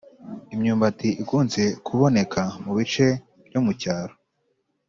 Imyumbati ikunze kuboneka mubice byo mucyaro